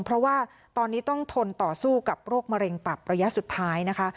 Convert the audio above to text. เพราะว่าตอนนี้ต้องทนต่อสู้กับโรคมะเร็งตับระยะสุดท้ายนะคะ